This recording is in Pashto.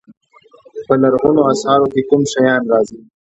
په لرغونو اثارو کې کوم شیان راځي.